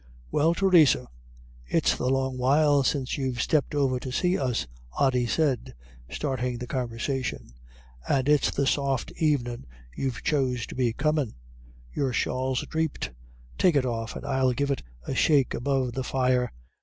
"Well, Theresa, it's the long while since you've stepped over to see us," Ody said, starting the conversation, "and it's the soft evenin' you've chose to be comin'. Your shawl's dhreeped. Take it off, and I'll give it a shake above the fire.